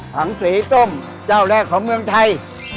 ถังสีส้มเจ้าแรกของเมืองไทย